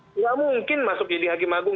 tidak mungkin masuk jadi hakim agung